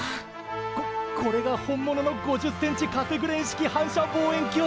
ここれが本物の５０ｃｍカセグレン式反射望遠鏡！